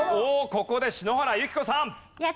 ここで篠原ゆき子さん。